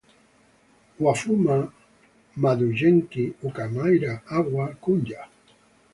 Wafuma madukenyi ukamaria aha kujha.